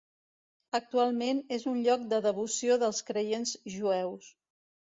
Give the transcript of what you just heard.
Actualment és un lloc de devoció dels creients jueus.